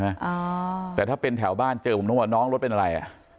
อ่าแต่ถ้าเป็นแถวบ้านเจอผมต้องว่าน้องรถเป็นอะไรอ่ะ